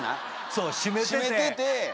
そう閉めてて。